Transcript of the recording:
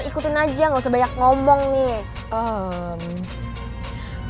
ikutin aja gak usah banyak ngomong nih